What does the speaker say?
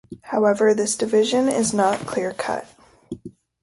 However, this division is not clear-cut.